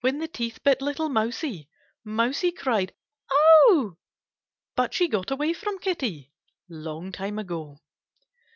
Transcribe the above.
When the teeth bit little Mousie, Mousie cried, Oh! But she got away from Kitty, Long time ago.